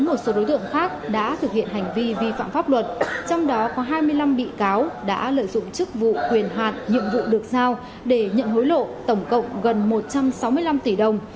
một số đối tượng khác đã thực hiện hành vi vi phạm pháp luật trong đó có hai mươi năm bị cáo đã lợi dụng chức vụ quyền hạt nhiệm vụ được giao để nhận hối lộ tổng cộng gần một trăm sáu mươi năm tỷ đồng